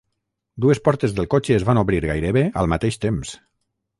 Dues portes del cotxe es van obrir gairebé al mateix temps.